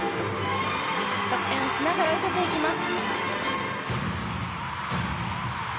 側転をしながら受けていきます。